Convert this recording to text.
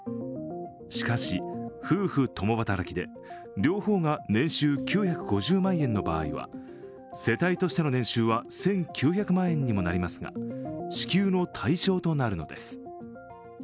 しかし夫婦共働きで両方が年収９５０万円の場合には世帯としての年収は１９００万円にもなりますが支給の対象となるのです。